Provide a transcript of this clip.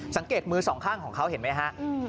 สังเกตมือสองข้างของเขาเห็นไหมฮะ